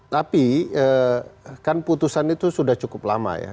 tapi kan putusan itu sudah cukup lama ya